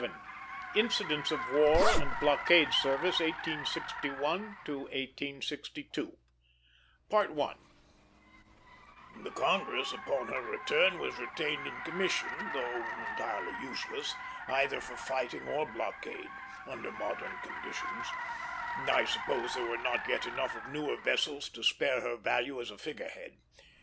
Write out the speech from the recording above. VII INCIDENTS OF WAR AND BLOCKADE SERVICE 1861 1862 The Congress, upon her return, was retained in commission, though entirely useless, either for fighting or blockade, under modern conditions. I suppose there were not yet enough of newer vessels to spare her value as a figure head.